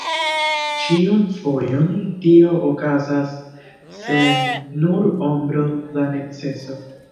Ĉiun fojon tio okazas sen nur ombro da neceso.